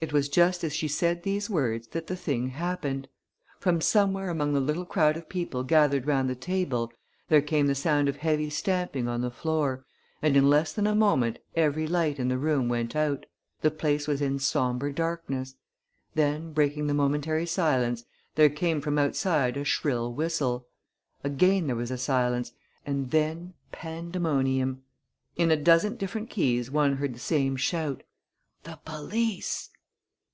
It was just as she said these words that the thing happened. From somewhere among the little crowd of people gathered round the table there came the sound of heavy stamping on the floor, and in less than a moment every light in the room went out. The place was in somber darkness. Then, breaking the momentary silence, there came from outside a shrill whistle. Again there was a silence and then pandemonium! In a dozen different keys one heard the same shout: "The police!"